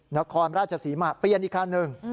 นครราชศรีมาเปลี่ยนอีกคันหนึ่ง